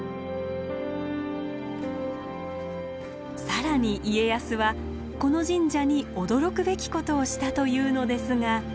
更に家康はこの神社に驚くべきことをしたというのですが。